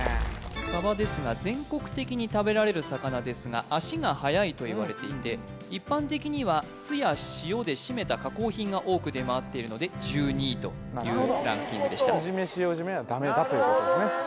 さばですが全国的に食べられる魚ですが足が早いといわれていて一般的には酢や塩でしめた加工品が多く出回っているので１２位というランキングでした酢じめ塩じめはダメだということですね